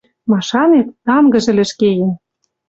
Машанет, тангыж ӹлӹж кеен